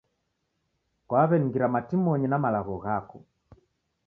Kwaweningira matimonyi na malagho ghako